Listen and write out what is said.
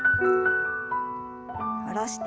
下ろして。